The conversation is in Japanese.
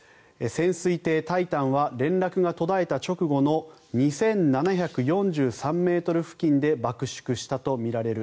潜水艇「タイタン」は連絡が途絶えた直後の２７４３ｍ付近で爆縮したとみられる。